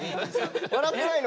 笑ってないの？